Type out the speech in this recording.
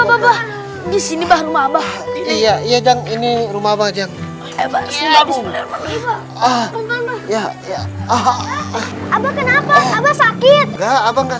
terima kasih atas bantuannya ketemu lagi terima kasih assalamualaikum warahmatullah